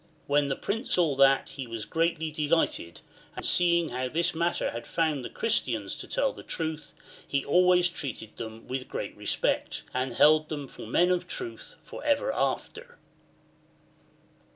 When the Prince saw that he was greatly delighted, and seeing how in this matter he found the Christians to tell the truth, he always treated them Vv'ith great respect, and held them for men of truth for ever after.